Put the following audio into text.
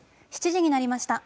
７時になりました。